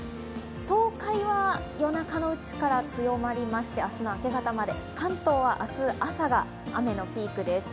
東海は夜中のうちから強まりまして、明日の明け方まで、関東は明日朝が雨のピークです。